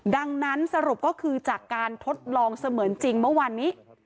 ดังนั้นสรุปก็คือจากการทดลองเสมือนจริงเมื่อวานนี้